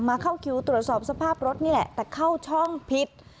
เข้าคิวตรวจสอบสภาพรถนี่แหละแต่เข้าช่องผิด